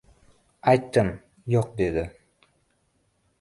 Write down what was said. — Aytdim, yo‘q, dedi.